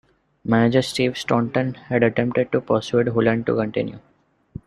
Manager Steve Staunton had attempted to persuade Holland to continue.